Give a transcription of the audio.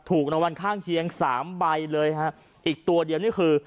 ถูกรางวัลข้างเคียงสามใบเลยฮะอีกตัวเดียวนี่คือ